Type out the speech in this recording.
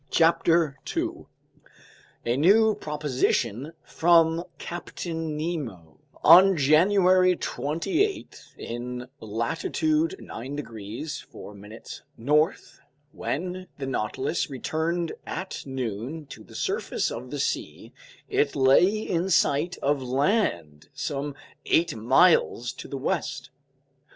CHAPTER 2 A New Proposition from Captain Nemo ON JANUARY 28, in latitude 9 degrees 4' north, when the Nautilus returned at noon to the surface of the sea, it lay in sight of land some eight miles to the west.